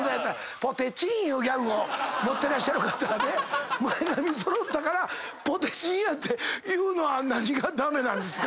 ポテチンいうギャグを持ってらっしゃる方で前髪揃ったからポテチンやって言うのは何が駄目なんですか？